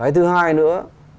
thứ hai nữa